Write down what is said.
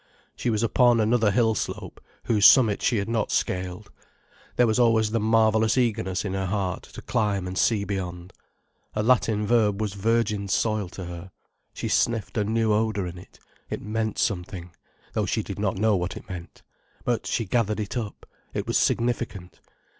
She was upon another hill slope, whose summit she had not scaled. There was always the marvellous eagerness in her heart, to climb and to see beyond. A Latin verb was virgin soil to her: she sniffed a new odour in it; it meant something, though she did not know what it meant. But she gathered it up: it was significant.